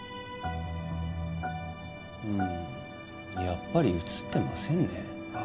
やっぱり写ってませんね